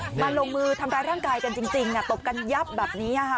ตั้งวัดถั่งมือทำการร่างกายกันจริงตบกันยับแบบนี้อะฮะ